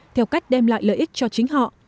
theo cách đem lại lợi ích cho chính họ